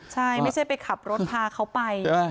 ใช่ไม่ใช่ไปขับรถพาเขาไป